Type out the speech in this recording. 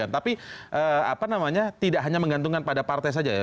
tapi tidak hanya menggantungkan pada partai saja